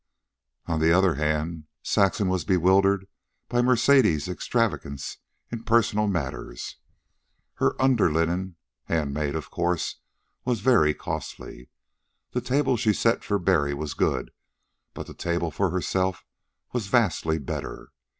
On the other hand, Saxon was bewildered by Mercedes' extravagance in personal matters. Her underlinen, hand made of course, was very costly. The table she set for Barry was good, but the table for herself was vastly better.